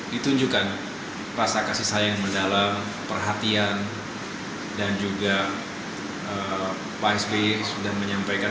ditunjukkan rasa kasih sayang mendalam perhatian dan juga pak sby sudah menyampaikan